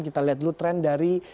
kita lihat dulu tren dari